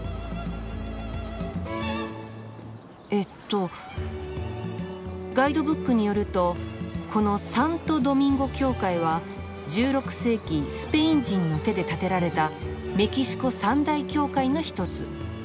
えっとガイドブックによるとこのサントドミンゴ教会は１６世紀スペイン人の手で建てられたメキシコ三大教会の一つ。